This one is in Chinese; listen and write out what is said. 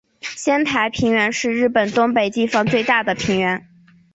仙台平原是日本东北地方最大的平原。